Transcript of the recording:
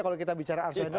kalau kita bicara arswendo